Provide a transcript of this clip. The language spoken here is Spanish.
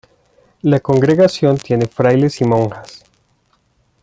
La congregación tiene frailes y monjas.